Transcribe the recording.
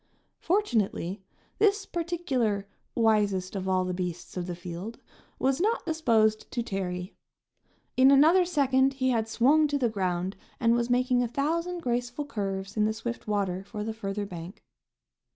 Fortunately, this particular "wisest of all the beasts of the field," was not disposed to tarry. In another second he had swung to the ground and was making a thousand graceful curves in the swift water for the further bank.